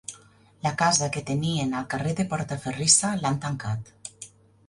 La casa que tenien al carrer de Portaferrissa l'han tancat.